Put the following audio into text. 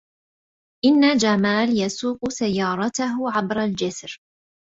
إن جمال يسوق سيارته عبر الجسر.